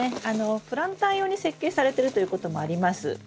プランター用に設計されてるということもあります。